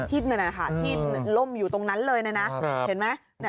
นั่นนะคะที่ล่มอยู่ตรงนั้นเลยนะเห็นไหม